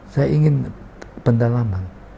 saya ingin pendalaman